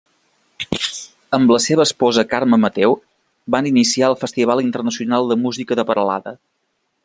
Amb la seva esposa Carme Mateu, van iniciar el Festival Internacional de Música de Peralada.